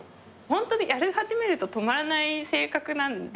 ホントにやり始めると止まらない性格なんで。